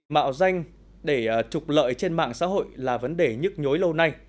mạo danh để trục lợi trên mạng xã hội là vấn đề nhức nhối lâu nay